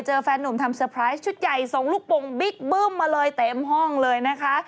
แฟนนุ่มทำเซอร์ไพรส์ชุดใหญ่ส่งลูกโป่งบิ๊กบึ้มมาเลยเต็มห้องเลยนะคะ